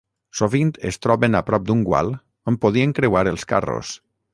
Sovint es troben a prop d’un gual on podien creuar els carros.